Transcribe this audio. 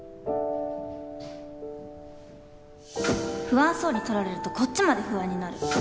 不安そうに撮られるとこっちまで不安になる。